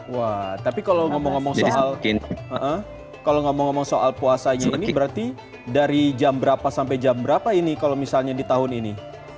wah tapi kalau ngomong ngomong soal puasanya ini berarti dari jam berapa sampai jam berapa ini kalau misalnya di tahun ini